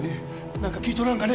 何か聞いとらんかね？